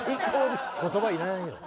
言葉いらないよ。